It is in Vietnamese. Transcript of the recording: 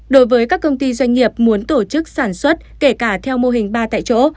đối với các công ty doanh nghiệp muốn tổ chức sản xuất kể cả theo mô hình ba tại chỗ